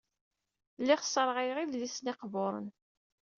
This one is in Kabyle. Lliɣ sserɣayeɣ idlisen iqburen.